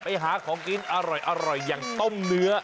ไปหาของกินอร่อยอย่างต้มเนื้อ